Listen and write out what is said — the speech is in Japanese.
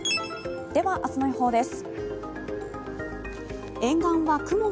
では、明日の予報です。